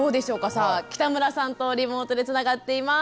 さあ北村さんとリモートでつながっています。